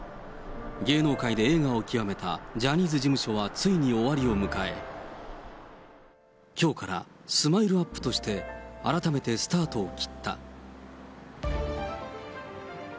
芸能界で栄華を極めたジャニーズ事務所はついに終わりを迎え、きょうからＳＭＩＬＥーＵＰ．として改めてスタートを切った。